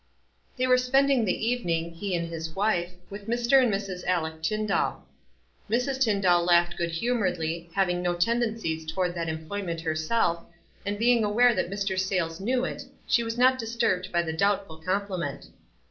They were spending the evening, he and his wife, with Mr. and Mrs. Aleck Tyndall. Mrs. Tyndall laughed goocl humoredly, having no tendencies toward that employment herself, and being aware that Mr. Sayles knew it, she was not disturbed by ths doubtful compliment.